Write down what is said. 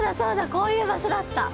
こういう場所だった。